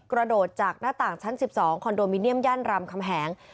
กระโดดจากหน้าต่างชั้น๑๒คอนโดมิเนียมย่านรามคำแหง